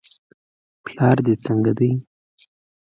پلار دې څنګه دی.